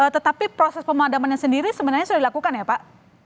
tetapi proses pemadamannya sendiri sebenarnya sudah dilakukan ya pak